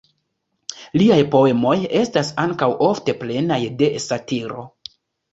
Liaj poemoj estas ankaŭ ofte plenaj de satiro.